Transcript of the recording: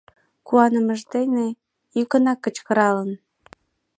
Куанымыж дене йӱкынак кычкыралын: